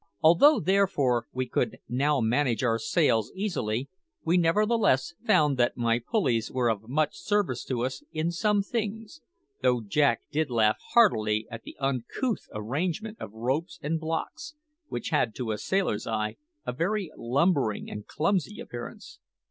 Although, therefore, we could now manage our sails easily, we nevertheless found that my pulleys were of much service to us in some things, though Jack did laugh heartily at the uncouth arrangement of ropes and blocks, which had, to a sailor's eye, a very lumbering and clumsy appearance.